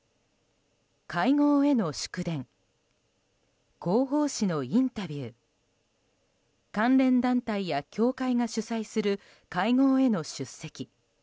会合への祝電広報誌のインタビュー関連団体や教会が主催する会合への出席。